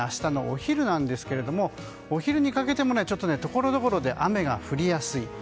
更に明日のお昼ですがお昼にかけてもところどころで雨が降りやすい。